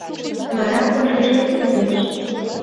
Вара ушешет возеш.